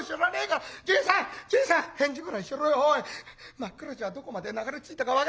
真っ暗じゃどこまで流れ着いたか分からねえ。